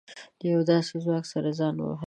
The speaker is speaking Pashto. له يوه داسې ځواک سره ځان وهل.